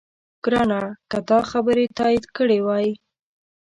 ګرانه! که تا خبرې تایید کړې وای،